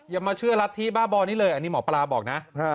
อย่ามาเชื่อรัฐธิบ้าบ่อนี้เลยอันนี้หมอปลาบอกนะ